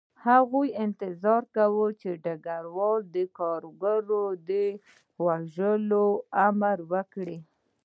هغوی انتظار کاوه چې ډګروال د کارګر د وژلو امر وکړي